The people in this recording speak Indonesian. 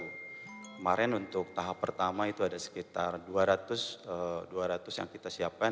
kemarin untuk tahap pertama itu ada sekitar dua ratus yang kita siapkan